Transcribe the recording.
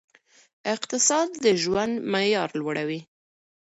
اقتصاد د ژوند معیار لوړوي.